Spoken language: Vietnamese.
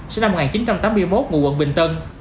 sinh năm một nghìn chín trăm tám mươi một ngụ quận bình tân